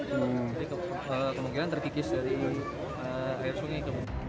jadi kemungkinan terkikis dari air sungai